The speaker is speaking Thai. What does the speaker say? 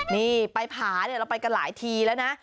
นี่ไปผาเนี่ยเราไปกันหลายทีแล้วนะ